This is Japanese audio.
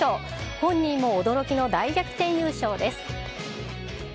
本人も驚きの大逆転優勝です。